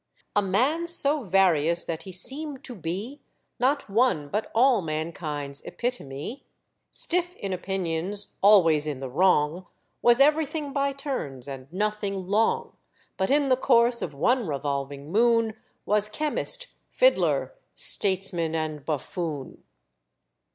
"A man so various that he seem'd to be Not one but all mankind's epitome; Stiff in opinions, always in the wrong; Was everything by turns, and nothing long; But, in the course of one revolving moon, Was chemist, fiddler, statesman, and buffoon."